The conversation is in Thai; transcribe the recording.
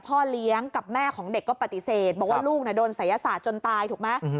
พ่อเลี้ยงกับแม่ของเด็กก็ปฏิเสธบอกว่าลูกโดนศัยศาสตร์จนตายถูกไหม